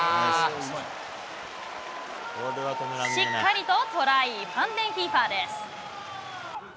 しっかりとトライ、ファンデンヒーファーです。